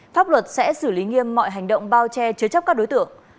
pháp luật sẽ xử lý nghiêm mọi hành động bao che chứa chấp các đối tượng